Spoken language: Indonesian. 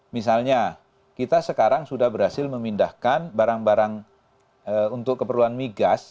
misalnya kita sekarang sudah berhasil memindahkan barang barang untuk keperluan migas